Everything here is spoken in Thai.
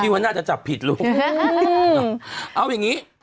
ที่วันหน้าจะจัดผิดลูกอือเฮ้ยเอาอย่างงี้